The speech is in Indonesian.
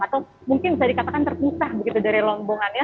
atau mungkin bisa dikatakan terpisah begitu dari rombongannya